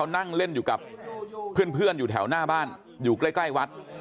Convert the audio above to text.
นั่งเล่นอยู่กับเพื่อนอยู่แถวหน้าบ้านอยู่ใกล้วัด